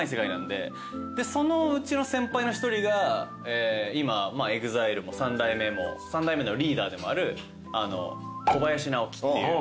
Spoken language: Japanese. でそのうちの先輩の一人が今ＥＸＩＬＥも三代目のリーダーでもある小林直己っていう。